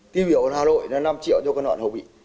tuy biểu hà nội là năm triệu cho con nội đoạn hậu bị